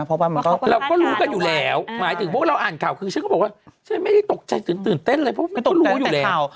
เพราะว่ามันก็เราก็รู้กันอยู่แล้วหมายถึงพวกเราอ่านข่าวคือฉันก็บอกว่าฉันไม่ได้ตกใจตื่นตื่นเต้นเลยเพราะไม่ตกใจแต่ข่าว